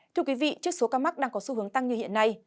thưa quý vị trước số ca mắc đang có xu hướng tăng như hiện nay